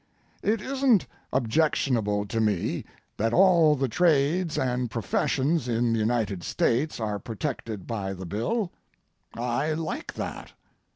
It isn't objectionable to me that all the trades and professions in the United States are protected by the bill. I like that.